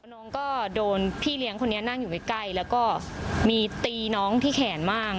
น้องก็โดนพี่เลี้ยงคนนี้นั่งอยู่ใกล้แล้วก็มีตีน้องที่แขนบ้าง